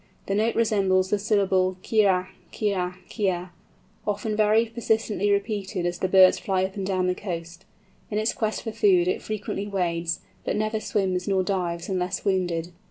The note resembles the syllables kyă kyă kyă, often very persistently repeated as the birds fly up and down the coast. In its quest for food it frequently wades, but never swims nor dives, unless wounded.